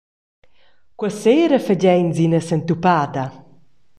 Cursera fagein nus ina sentupada.